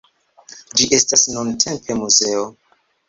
Ĝi estas nuntempe muzeo.